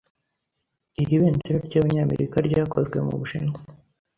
Iri bendera ryabanyamerika ryakozwe mubushinwa.